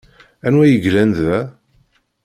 Anwa ay yellan da?